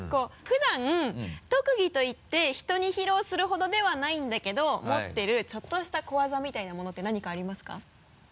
普段特技と言って人に披露するほどではないんだけど持ってるちょっとした小技みたいなものって何かありますか？